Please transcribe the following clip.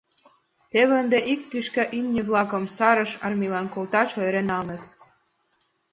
Теве ынде ик тӱшка имньыже-влакым сарыш армийлан колташ ойырен налыныт.